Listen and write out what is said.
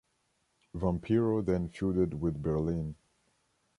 Vampiro then feuded with Berlyn.